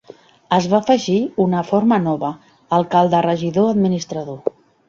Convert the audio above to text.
Es va afegir una forma nova, alcalde-regidor-administrador.